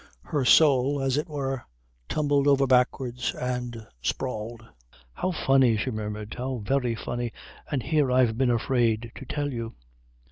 Her soul, as it were, tumbled over backwards and sprawled. "How funny!" she murmured. "How very funny! And here I've been afraid to tell you."